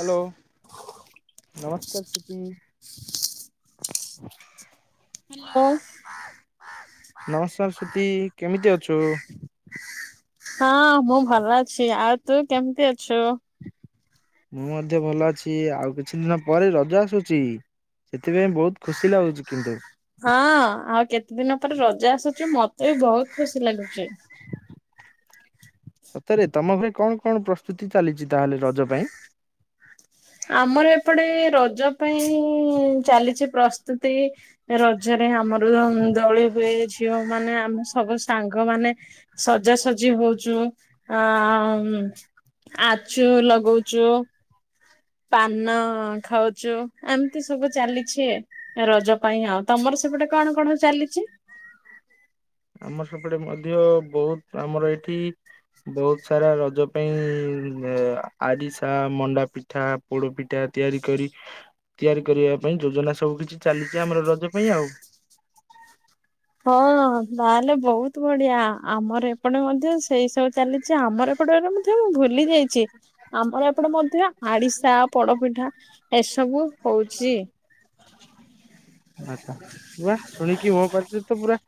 Hello ନମସ୍କାର Shruti. Hello. ନମସ୍କାର ସୃତୀ କେମିତି ଅଛୁ? ହଁ ମୁଁ ଭଲ ଅଛି ଆଉ ତୁ କେମିତି ଅଛୁ? ମୁଁ ମଧ୍ୟ ଭଲ ଅଛି ଆଉ କିଛି ଦିନ ପରେ ରଜ ଆସୁଛି? ସେଥିପାଇଁ ବହୁତ ଖୁସି ଲାଗୁଛି କିନ୍ତୁ। ହଁ ଆଉ କେତେ ଦିନ ପରେ ରଜ ଆସୁଛି ମତେ ବି ବହୁତ ଖୁସି ଲାଗୁଛି। ସତରେ ତମ ଘରେ କଣ କଣ ପ୍ରସ୍ତୁତି ଚାଲିଛି ତାହେଲେ ରଜ ପାଇଁ? ଆମର ଏପଟେ ରଜ ପାଇଁ ଚାଲିଛି ପ୍ରସ୍ତୁତି ରଜରେ ଆମର ଅ ଦୋଳି ହୁଏ ଝିଅ ମାନେ ଆମେ ସବୁ ସାଙ୍ଗମାନେ ସଜାସଜି ହଉଚୁ ଆଁ ଉଁ ଆଚୁ ଲଗଉଚୁ। ପାନ ଖାଉଚୁ ଏମିତି ସବୁ ଚାଲିଚି। ରଜ ପାଇଁ ଆଉ ତମର ସେପଟେ କଣ କଣ ଚାଲିଚି। ଆମର ସେପଟେ ମଧ୍ୟ ବହୁତ ଆମର ଏଠି ବହୁତ ସାରା ରଜ ପାଇଁ ଅ ଆରିସା ମଣ୍ଡା ପି ଠା ପୋଡ ପିଠା ତିଆରି କରି ତିଆରି କରିବା ପାଇଁ ଯୋଜନା ସବୁ କିଛି ଚାଲିଚି ଆମର ରଜ ପାଇଁ ଆଉ। ହଁ ତାହେଲେ ବହୁତ ବଢିଆ ଆମର ଏପଟେ ମଧ୍ୟ ସେଇ ସବୁ ଚାଲି ଯେ ଆମର ଏପଟେ ରେ ମଧ୍ୟ ମୁ ଭୁଲି ଯାଇଛି ଆମର ଏପଟ ମଧ୍ୟ ଆଡିଶା ପୋଡପିଠା ଏସବୁ ହଉଛି [inaudible] ଆଛା ୱା ଶୁଣିକି ମୋ ପାଟିରୁ ତ ପୁରା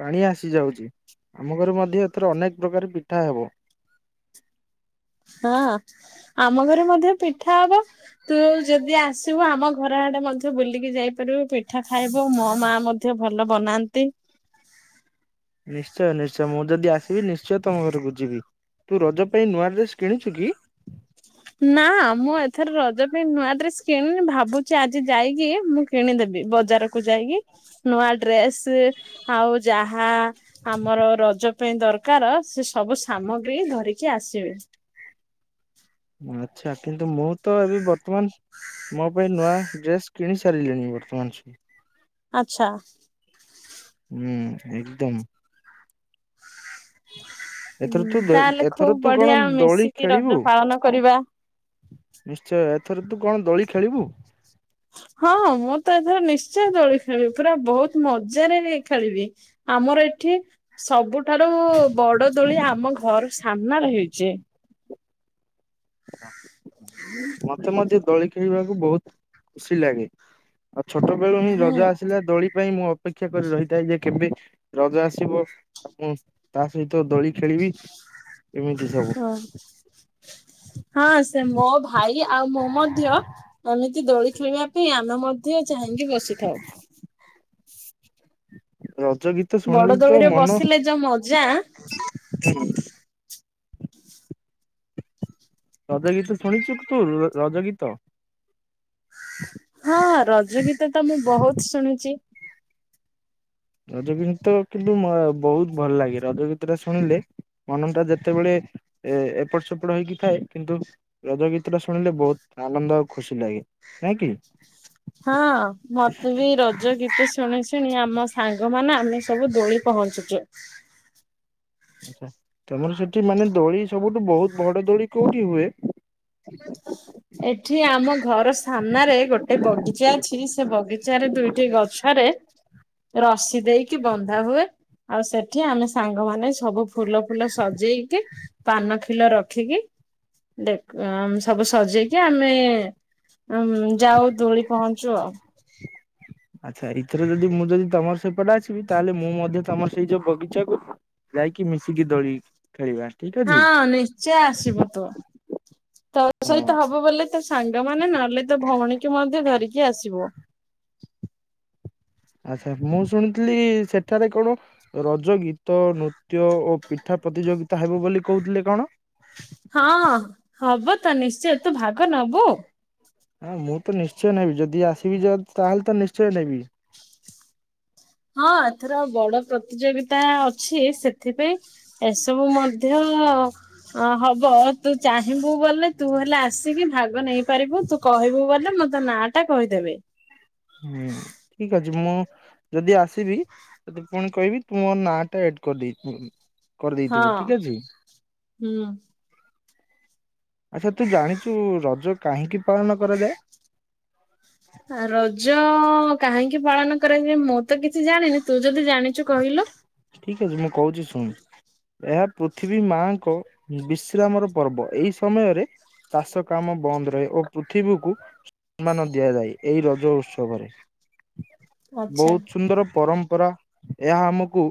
ପାଣି ଆସି ଯାଉଚି ଆମ ଘରେ ମଧ୍ୟ ଏଥର ଅନେକ ପ୍ରକାର ପିଠା ହେବ। ହଁ ଆମ ଘରେ ମଧ୍ୟ ପିଠା ହବ। ତୁ ଯଦି ଆସିବୁ ଆମ ଘର ଆଡେ ମଧ୍ୟ ବୁଲିକି ଯାଇପାରିବୁ ପିଠା ଖାଇବୁ ମୋ ମା ମ ଧ୍ୟ ଭଲ ବନାନ୍ତି। ନିଶ୍ଚୟ ନିଶ୍ଚୟ ମୁଁ ଯଦି ଆସିବି ନିଶ୍ଚୟ ତମ ଘରକୁ ଯିବି। ତୁ ରଜ ପାଇଁ ନୂଆ ଡ୍ରେସ୍ କିଣିଚୁ କି? ନା ମୁଁ ଏଥର ରଜ ପାଇଁ ନୂଆ ଡ୍ରେସ୍ କିଣିନି ଭାବୁଚି ଆଜି ଯାଇକି ମୁଁ କିଣିଦେବି ବଜାରକୁୁ ଯାଇକି ନୂଆ ଡ୍ରେସ ଆଉ ଯାହା ଆମର ରଜ ପାଇଁ ଦରକାର ସେ ସବୁ ସାମଗ୍ରୀ ଧରିକି ଆସିବେ। ଆଚ୍ଛା କିନ୍ତୁ ମୁଁ ତ ଏବେ ବର୍ତ୍ତମାନ ମୋ ପାଇଁ ନୂଆ ଡ୍ରେସ୍ କିଣି ସାରିଲିଣି ବର୍ତ୍ତମାନ ସୁୁ ଆଚ୍ଛା। ହୁଁ ଏକଦମ୍। ଏଥର ତୁ ଦୋ ତାହେଲେ ଖୁବ ଏଥର ତୁ ବଢିଆ କଣ ଦୋଳି ମିଶିକି ଖେଳିବୁ। ରଜ ପାଳନ କରିବା। ନିଶ୍ଚୟ ଏଥର ତୁ କଣ ଦୋଳି ଖେଳିବୁ। ହଁ ମୁଁ ତ ଏଥର ନିଶ୍ଚୟ ଦୋଳି ଖେଳିବି ପୁରା ବହୁତ ମଜାରେ ବି ଖେଳିବି। ଆମର ଏଠି ସବୁଠାରୁ ବଡ ଦୋଳି ଆମ ଘର ସାମ୍ନ ରେ ହେଇଚି। [inaudible] [inaudible] ମତେ ମଧ୍ୟ ଦୋଳି ଖେଳିବାକୁ ବହୁତ ଖୁସି ଲାଗେ। ଆଉ ଛୋଟବେଳୁ ମୁଁ ରଜ ହୁଁ ଆସିଲା ଦୋଳି ପାଇଁ ମୁଁ ଅପେକ୍ଷା କରି ରହିଥାଏ ଯେ କେବେ ରଜ ଆସିବ। ଆ ମୁଁ ତା ସହିତ ଦୋଳି ଖେଳିବି। ଏମିତି ସବୁ ହଁ ହଁ ସେ ମୋ ଭାଇ ଆଉ ମୁଁ ମଧ୍ୟ ଏମିତି ଦୋଳି ଖେଳିବା ପାଇଁ ଆମେ ମଧ୍ୟ ଚାହିଁକି ବସିଥାଉ। [inaudible] ରଜ ଗୀ ବଡଦୋଳି ରେ ବସିଲେ ଯୋଉ ମଜା ରଜ ଗୀତ ଶୁଣିଚୁ ତୁ ର ରଜ ଗୀତ। ହଁ ରଜ ଗୀତ ତ ମୁଁ ବହୁତ ଶୁଣିଚି। ରଜଗୀତ କିନ୍ତୁ ମ ବହୁତ ଭଲ ଲାଗେ ରଜ ଗୀତ ଟା ଶୁଣିଲେ ମନନ ଟା ଯେତେବେଳେ ଏ ଏପଟ ସେପଟ ହେଇକି ଥାଏ କିନ୍ତୁ ରଜ ଗୀତ ଟା ଶୁଣିଲେ ବହୁତ ଆନନ୍ଦ ଆଉ ଖୁସି ଲାଗେ। ନାଁ କି। ହଁ ମତେ ବି ରଜ ଗୀତ ଶୁଣି ଶୁଣି ଆମ ସାଙ୍ଗ ମାନ ଆମେ ସବୁ ଦୋଳି ପହଞ୍ଚୁଚୁ। ଆଛା ତମର ସେଠି ମାନେ ଦୋଳି ସବୁଠୁ ବହୁତ ବଡ ଦୋଳି କୋଉଠି ହୁଏ। ଏଠି ଆମ ଘର ସାମ୍ନାରେ ଗୋଟେ ବଗିଚା ଅଛି ସେ ବଗିଚାରେ ଦୁଇଟି ଗଛ ରେ ରସି ଦେଇକି ବନ୍ଧା ହୁଏ ଆଉ ସେଠି ଆମେ ସାଙ୍ଗମାନେ ସବୁ ଫୁଲ ଫୁଲ ସଜେଇକି ପାନ ଖିଲ ରଖିକି ଦେକ ସବୁ ସଜେଇକି ଆମେ ଯାଉ ଦୋଳି ପହଞ୍ଚୁ ଆଉ। [unintelligible] ଆଚ୍ଛା ଏଇଥରେ ଯଦି ମୁଁ ଯଦି ତମର ସେପଟେ ଆସିବି ତାହେଲେ ମୁଁ ମଧ୍ୟ ତମ ସେଇ ଯୋଉ ବଗିଚାକୁ ଯାଇକି ମିଶିକି ଦୋଳି ଖେଳିବା ଠିକ ଅଛି। ହଁ ନିଶ୍ଚୟ ଆସିବୁ ତୁ ତୋ ସହିତ ହବ ବୋଲେ ତୋ ସାଙ୍ଗମାନେ ନହେଲେ ତୋ ଭଉଣୀକୁ ମଧ୍ୟ ଧରିକି ଆସିବୁ। ଆଚ୍ଛା ମୁଁ ଶୁଣିଥିଲି ସେଠାରେ କଣ ରଜ ଗୀତ ନୃ ନୃତ୍ୟ ଓ ପିଠା ପ୍ରତିଯୋଗିତା ହେବ ବୋଲି କହୁଥିଲେ କଣ? ହଁ ହବ ତ ନିଶ୍ଚୟ ତୁ ଭାଗ ନବୁ? ହଁ ମୁଁ ତ ନିଶ୍ଚୟ ନେବି ଯଦି ଆସିବି ଯ ତାହେଲେ ତ ନିଶ୍ଚୟ ନେବି। ହଁ ଏଥର ବଡ ପ୍ରତିଯୋଗିତା ଅଛି ସେଥିପାଇଁ ଏସବୁ ମଧ୍ୟ ହବ। ତୁ ଚାହିଁବୁ ବଲେ ତୁ ହେଲେ ଆସିକି ଭାଗ ନେଇ ପାରିବୁ ତୁ କହିବୁ ବଲେ ମଁ ତୋ ନାଁ ଟା କହିଦେବି। ହୁଁ ଠିକ ଅଛି ମୁଁ ଯଦି ଆସିବି ତତେ ପୁଣି କହିବି ତୁ ମୋ ନା ଟା ଏଡ କରିଦେଇ ହଁ କରିଦେଇଥିବୁ ଠିକ ଅଛି। ହୁଁ। ଆଚ୍ଛା ତୁ ଜାଣିଛୁ ରଜ କାହିଁକି ପାଳନ କରାଯାଏ? ରଜ ଅ କାହିଁକି ପାଳନ କରାଯାଏ ମୁଁ ତ କିଛି ଜାଣିନି ତୁ ଯଦି ଜାଣିଛୁ କହିଲୁ। ଠିକ ଅଛି ମୁଁ କହୁଛି ଶୁଣ। ଏହା ପୃଥିବୀ ମାଙ୍କ ବିଶ୍ରାମର ପର୍ବ ଏଇ ସମୟରେ ଚାଷ କାମ ବନ୍ଦ ରହେ ଓ ପୃଥିବୀକୁ ସମ୍ମାନ ଦିଆଯାଏ ଏଇ ରଜ ଉତ୍ସବରେ ଆଚ୍ଛା। ବହୁତ ସୁନ୍ଦର ପରମ୍ପ ପରା ଏହା ଆମକୁ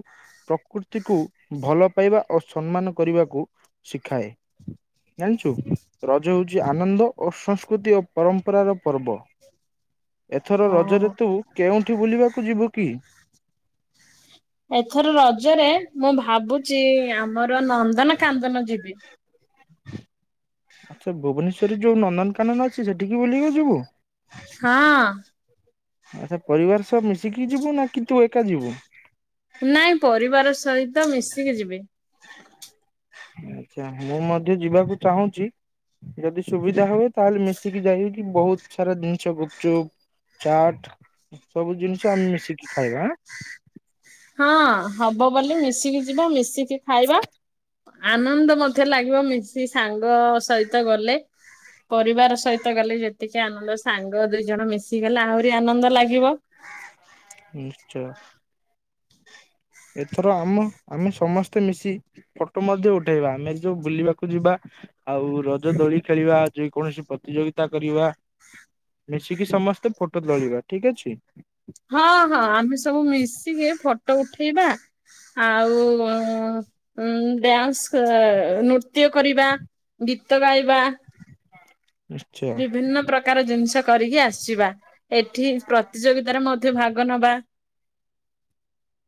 ପ୍ରକୃତିକୁ ଭଲ ପାଇବା ଓ ସମ୍ମାନ କରିବାକୁ ଶିଖାଏ। ଜାଣିଛୁ ରଜ ହଉଛି ଆନନ୍ଦ ଓ ସଂସ୍କୃତି ଓ ପରମ୍ପରାର ପର୍ବ। ଏଥର ହଁ। ରଜରେ ତୁ କେଉଁଠି ବୁଲିବାକୁ ଯିବୁ କି? ଏଥର ରଜରେ ମୁଁ ଭାବୁଛି ଆମର ନନ୍ଦନ କାନ୍ଦନ ଯିବି। ଆଛା ଭୁବନେଶ୍ଵରରେ ଯୋଉ ନନ୍ଦନକାନନ ଅଛି ସେଠିକି ବୁଲିକି ଆସିବୁ? ହଁ। ଆଛା ପରିବାର ସହ ମିଶିକି ଯିବୁ ନା କି ତୁ ଏକା ଯିବୁ। ନାଇଁ ପରିବାର ସହିତ ମିଶିକି ଯିବି। ଆଛା ମୁଁ ମଧ୍ୟ ଯିବାକୁ ଚାହୁଁଚି। ଯଦି ସୁବିଧା ହୁଏ ତାହେଲେ ମିଶିକି ଯାଇକି ବହୁତ ସାରା ଜିନିଷ ଗୁପଚୁପ ଚାଟ ସବୁ ଜିନିଷ ଆମେ ମିଶିକି ଖାଇବାଆଁ। ହଁ ହବ ବଲେ ମିଶିକି ଯିବା ମିଶିକି ଖାଇବା। ଆନନ୍ଦ ମଧ୍ୟ ଲାଗିବ ମିଶି ସାଙ୍ଗ ସହିତ ଗଲେ ପରିବାର ସହିତ ଗଲେ ଯେତିକି ଆନନ୍ଦ ସାଙ୍ଗ ଦୁଇ ଜଣ ମିଶିଗଲେ ଆହୁରି ଆନନ୍ଦ ଲାଗିବ। ନିଶ୍ଚୟ। ଏଥର ଆମ ଆମେ ସମସ୍ତେ ମିଶି ଫଟୋ ମଧ୍ୟ ଉଠେଇବା ଆମେ ଯୋଉ ବୁଲିବାକୁ ଯିବା ଆଉ ରଜ ଦୋଳି ଖେଳିବା ଯେ କୌଣସି ପ୍ରତିଯୋଗିତା କରିବା। ମିଶିକି ସମସ୍ତେ ଫୋଟୋ ତୋଳିବା ଠିକ୍ ଅଛି। ହଁ ହଁ ଆମେ ସବୁ ମିଶିକି ଫଟୋ ଉଠେଇବା ଆଉ ଡ୍ୟାନ୍ସ ନୃତ୍ୟ କରିବା। ଗୀତ ଗାଇବା। ନିଶ୍ଚୟ ବିଭିନ୍ନ ପ୍ରକ୍ ପ୍ରକାର ଜିନିଷ କରିକି ଆସିବା ଏଠି ପ୍ରତିଯୋଗିତାରେ ମଧ୍ୟ ଭାଗ ନବା।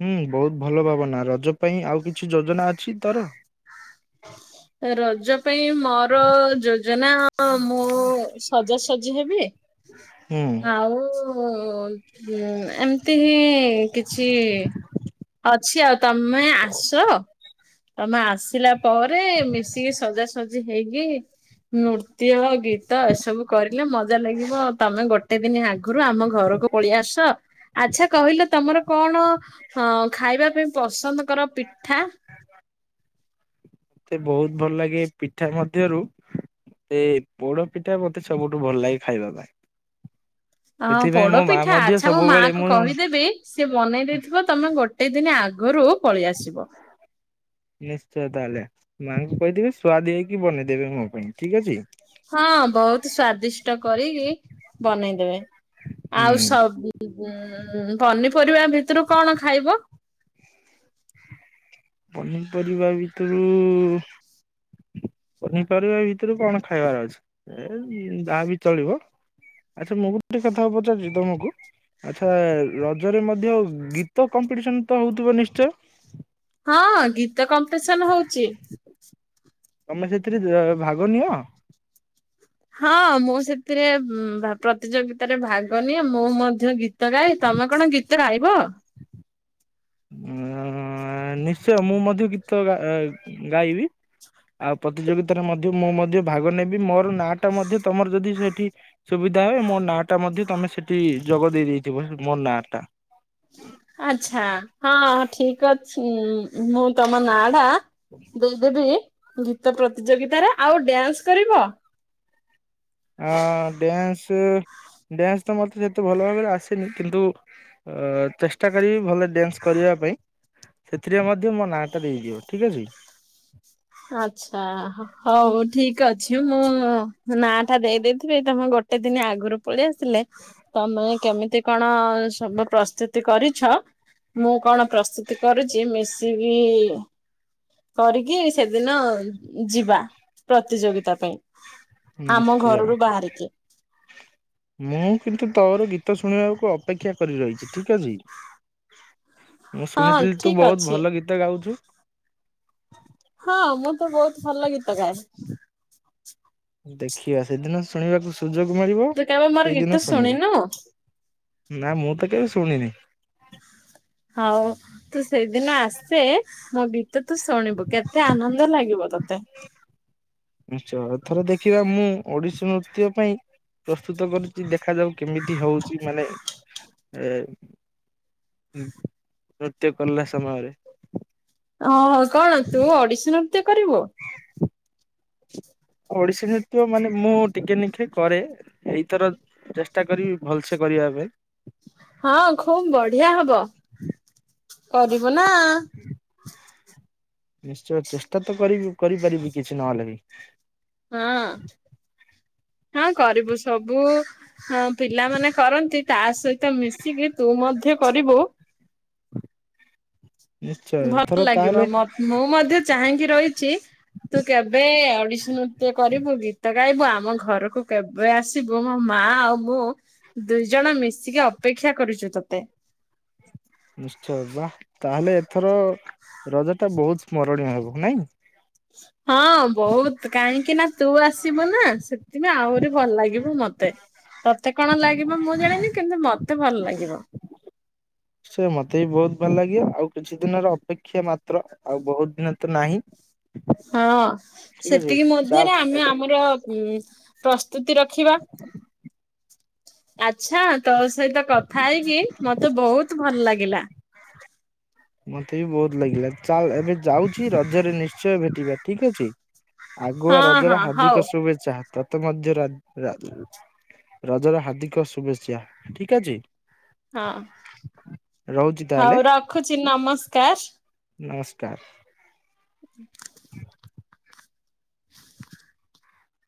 ହୁଁ ବହୁତ ଭଲ ଭାବନା ରଜ ପାଇଁ ଆଉ କିଛି ଯୋଜନା ଅଛି ତୋର। ରଜ ପାଇଁ ମୋର ଯୋଜନା ମୁଁ ସଜାସଜି ହେବି। ହୁଁ ମତେ ଆଉ ଓ ଉଁ ଏମିତି ହିଁ କିଛି ଅଛି ଆଗ ତମେ ଆସ। ତମେ ଆସିଲା ପରେ ମିଶିକି ସଜାସଜି ହେଇକି ନୃତ୍ୟ, ଗୀତ ଏସବୁ କରିଲେ ମଜା ଲାଗିବ। ତମେ ଗୋଟେ ଦିନ ଆଗରୁ ଆମ ଘରକୁ ପଳେଇ ଆସ। ଆଚ୍ଛା କହିଲ ତମର କଣ ଅଁ ଖାଇବା ପାଇଁ ପସନ୍ଦ କର ପିଠା? ମତେ ବହୁତ ଭଲ ଲାଗେ ପିଠା ମଧ୍ୟରୁ ଏଇ ପୋଡପିଠା ମତେ ସବୁଠୁ ଭଲ ଲାଗେ, ଖାଇବା ପାଇଁ। ହଁ ସେଥିପାଇଁ ମୋ ମା ପୋଡପିଠା ମଧ୍ୟ ଆଚ୍ଛା ମୋ ସବୁବେଳେ ମାଆଙ୍କୁ ମୁଁ କହିଦେବି। ସିଏ ବନେଇ ଦେଇଥିବ ତମେ ଗୋଟେ ଦିନ ଆଗରୁ ପଳେଇ ଆସିବ। ନିଶ୍ଚୟ ତାହେଲେ ମାଆଙ୍କୁ କହିଦେବେ ସୁଆଦିଆ ହେଇକି ବନେଇଦେବେ ମୋ ପାଇଁ ଠିକ ଅଛି। ହଁ ବହୁତ ସ୍ଵାଦିଷ୍ଟ କରିକି ବନେଇଦେବେ। ହୁଁ ଆଉ ସବୁ ଅଁ ପନିପରିବା ଭିତରୁ କଣ ଖାଇବ? ପନିପରିବା ଭିତରୁ ପନିପରିବା ଭିତରୁ କଣ ଖାଇବାର ଅଛି? ଏ ଉଁ ଯାହା ବି ଚଳିବ। ଆଚ୍ଛା ମୁଁ ଗୋଟେ କଥା ପଚାରୁଛି ତମକୁ। ଆଚ୍ଛା ରଜରେ ମଧ୍ୟ ଗୀତ କମ୍ପିଟିସନ ତ ହଉଥିବ ନିଶ୍ଚୟ? ହଁ ଗୀତ କମ୍ପିଟିସନ ହଉଛି। ତମେ ସେଥିରେ ଅ ଭାଗ ନିଅ। ହଁ ମୁଁ ସେଥିରେ ଉଁ ଭା ପ୍ରତିଯୋଗିତାରେ ଭାଗ ନିିଏ, ମୁଁ ମଧ୍ୟ ଗିତ୍ ଗୀତ ଗାଏ। ତମେ କଣ ଗୀତ ଗାଇବ? ଅଁ ନିଶ୍ଚୟ ମୁଁ ମଧ୍ୟ ଗୀତ ଗା ଗାଇବି। ଆଉ ପ୍ରତିଯୋଗିତାରେ ମଧ୍ୟ ମୁଁ ମଧ୍ୟ ଭାଗ ନେବି। ମୋର ନାଁ ଟା ମଧ୍ୟ ତମର ଯଦି ସେଠି ସୁବିଧା ହୁଏ ମୋ ନା ଟା ମଧ୍ୟ ତମେ ସେଠି ଯୋଗ ଦେଇ ଦେଇଥିବ ହ ମୋ ନାଁ ଟା। ଆଚ୍ଛା ହଁ ଠିକ ଅଛି। ମୁଁ ତମ ନା ଟା ଦେଇଦେବି। ଗୀତ ପ୍ରତିଯୋଗିତାରେ, ଆଉ ଡ୍ୟାନ୍ସ କରିବ? ଆ ଡ୍ୟାନ୍ସ, ଡ୍ୟାନ୍ସ ତ ମତେ ସେତେ ଭଲ ଭାବରେ ଆସେନି କିନ୍ତୁ ଅ ଚେଷ୍ଟା କରିବି ଭଲ ଡ୍ୟାନ୍ସ କରିବା ପାଇଁ। ସେଥିରେ ମଧ୍ୟ ମୋ ନାଁଟା ଦେଇଦିଅ ଠିକ୍ ଅଛି। ଆଚ୍ଛା ହଉ ଠିକ ଅଛି ମୁଁ ନା ଟା ଦେଇ ଦେଇଥିବି ତମେ ଗୋ ଟେ ଦିନ ଆଗରୁ ପଳେଇ ଆସିଲେ ତମେ କେମିତି କଣ ସବୁ ପ୍ରସ୍ତୁତି କରିଛ ମୁଁ କଣ ପ୍ରସ୍ତୁତି କରୁଛି ମିଶିକି କରିକି ସେଦିନ ଯିବା ପ୍ରତିଯୋଗିତା ପାଇଁ। ଆମ ନିଶ୍ଚୟ ଘରରୁ ବାହାରିକି। ମୁଁ କିନ୍ତୁ ତୋର ଗୀତ ଶୁଣିବାକୁ ଅପେକ୍ଷା କରି ରହିଛି ଠିକ ଅଛି। ମୁଁ ହଁ ଶୁଣିଥିଲି ତୁ ଠିକ ବହୁତ ଅଛି ଭଲ ଗୀତ ଗାଉଛୁ। ହଁ ମୁଁ ତ ବହୁତ ଭଲ ଗୀତ ଗାଏ। ଦେଖିବା ସେଦିନ ଶୁଣିବାକୁ ସୁଯୋଗ ମିଳିବ ତୁ କେବେ ମୋର ସେଇଦିନ ଗୀତ ଶୁଣିବା। ଶୁଣିନୁ ନା ମୁଁ ତ କେବେ ଶୁଣିନି। ହଉ ତୁ ସେଇଦିନ ଆସେ ମୋ ଗୀ ତ ତୁ ଶୁଣିବୁ କେତେ ଆନନ୍ଦ ଲାଗିବ ତତେ। ନିଶ୍ଚୟ, ଥରେ ଦେଖିବା ମୁଁ ଓଡିଶୀ ନୃତ୍ୟ ପାଇଁ ପ୍ରସ୍ତୁତ କରୁଛି ଦେଖାଯାଉ କେମିତି ହଉଛି ମାନେ ଏ ଉଁ ନୃତ୍ୟ କଲା ସମୟରେ। ଓହୋ କଣ ତୁ ଓଡିଶୀ ନୃତ୍ୟ କରିବୁ? ଓଡିଶୀ ନୃତ୍ୟ ମାନେ ମୁଁ ଟିକେ ନିଖେ କରେ। ଏଇଥର ଚେଷ୍ଟା କରିବି ଭଲସେ କରିବା ପାଇଁ। ହଁ ଖୁବ ବଢିଆ ହବ କରିବ ନା। ନିଶ୍ଚୟ ଚେଷ୍ଟା ତ କରିପାରିବି କିଛି ନହେଲେ ବି। ହଁ ହଁ କରିବୁ ସବୁ ହଁ ପିଲାମାନେ କରନ୍ତି ତା ସହିତ ମିଶିକି ତୁ ମଧ୍ୟ କରିବୁ। ନିଶ୍ଚୟ ଏଥର ଭଲ ଲାଗିବ ତାହେଲେ ମୁଁ ମଧ୍ୟ ଚାହିଁକି ରହିଛି ତୁ କେବେ ଅଡିଶନ ଟିଏ କରିବୁ ଗୀତ ଗାଇବୁ ଆମ ଘରକୁ କେବେ ଆସିବୁ ମୋ ମା ଆଉ ମୁଁ ଦୁଇ ଜଣ ମିଶିକି ଅପେକ୍ଷା କରିଛୁ ତୋତେ। ନିଶ୍ଚୟ ବା ତାହେଲେ ଏଥର ରଜ ଟା ବହୁତ ସ୍ମରଣୀୟ ହବ ନାଇଁ। ହଁ ବହୁତ କାହିଁକି ନା ତୁ ଆସିବୁ ନା ସେଥିପାଇଁ ଆହୁରି ଭଲ ଲାଗିବ ମତେ ତତେ କଣ ଲାଗିବ ମୁଁ ଜାଣିନି କିନ୍ତୁ ମତେ ଭଲ ଲାଗିବ। ସେ ମତେ ବି ବହୁତ ଭଲ ଲାଗେ ଆଉ କିଛି ଦିନର ଅପେକ୍ଷା ମାତ୍ର ଆଉ ବହୁତ ଦିନ ତ ନାହିଁ। ହଁ ଠିକ ଅଛି ସେତିକି ଚାଲ ମଧ୍ୟରେ ଆମେ ଏବେ ଆମର ପ୍ରସ୍ତୁତି ରଖିବା। [inaudible] ଆଛା ତୋ ସହିତ କଥା ହେଇକି ମତେ ବହୁତ ଭଲ ଲାଗିଲା। ମତେ ବି ବହୁତ ଲାଗିଲା ଚାଲ ଏବେ ଯାଉଛି ରଜରେ ନିଶ୍ଚୟ ଭେଟିବା ଠିକ ଅଛି। ହଁ ଆଗୁଆ ହଁ ରଜର ହଉ ହାର୍ଦ୍ଦିକ ଶୁଭେଚ୍ଛା ତତ ମଧ୍ୟ ର ରା ରଜର ହାର୍ଦ୍ଦିକ ଶୁଭେଚ୍ଛା ଠିକ ଅଛି। ହଁ ରହୁଛି ତାହେଲେ ହଉ ରଖୁଛି ନମସ୍କାର। ନମସ୍କାର। ହୁଁ।